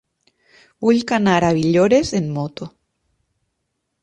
Vull anar a Villores amb moto.